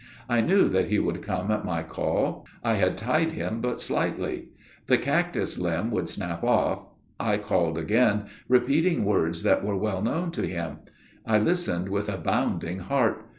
I knew that he would come at my call. I had tied him but slightly. The cactus limb would snap off. I called again, repeating words that were well known to him. I listened with a bounding heart.